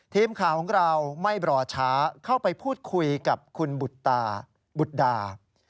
ทีมข่าวของเราไม่รอช้าเข้าไปพูดคุยกับคุณบุตตาบุตรดา